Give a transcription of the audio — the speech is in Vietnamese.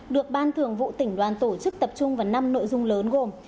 được ban thường vụ tỉnh đoàn tổ chức tập trung vào năm nội dung lớn gồm